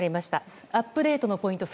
アップデートのポイント